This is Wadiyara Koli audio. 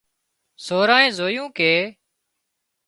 سورانئين زويُون ڪي